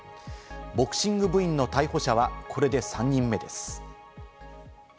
ボクシング部員の逮捕者は、これで３人目です。